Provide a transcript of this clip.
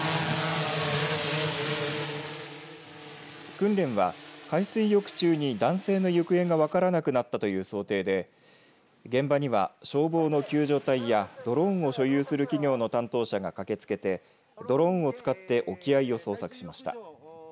訓練は海水浴中に男性の行方が分からなくなったという想定で現場には消防の救助隊やドローンを所有する企業の担当者が駆けつけてドローンを使って沖合を捜索しました。